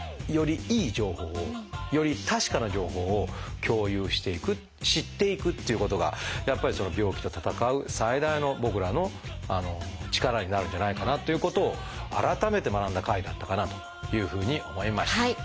よりいい情報をより確かな情報を共有していく知っていくっていうことがやっぱりその病気と闘う最大の僕らの力になるんじゃないかなということを改めて学んだ回だったかなというふうに思いました。